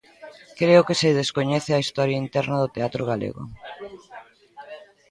Creo que se descoñece a historia interna do teatro galego.